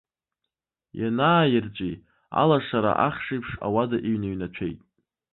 Ианааирҵәи, алашара ахш еиԥш ауада иныҩнаҭәеит.